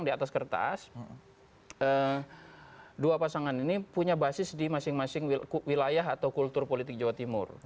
karena kalau kita lihat kertas kertas dua pasangan ini punya basis di masing masing wilayah atau kultur politik jawa timur